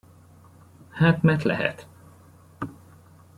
Hát mert lehet.